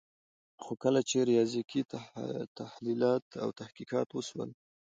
خو کله چي ریاضیکي تحلیلات او تحقیقات وسول